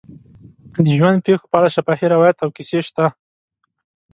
د ژوند پېښو په اړه شفاهي روایات او کیسې شته.